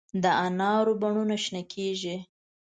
د انارو بڼونه شنه کیږي